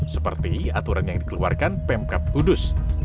seperti aturan yang dikeluarkan pemkap kudus